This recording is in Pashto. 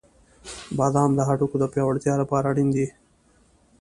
• بادام د هډوکو د پیاوړتیا لپاره اړین دي.